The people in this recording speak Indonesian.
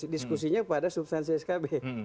diskusinya pada substansi skb